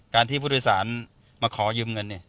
การที่ผู้โดยสารมาขอยืมเงิน